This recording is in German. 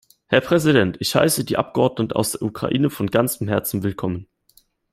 Herr Präsident, ich heiße die Abgeordneten aus der Ukraine von ganzem Herzen willkommen.